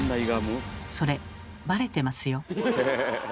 それバレてますよ。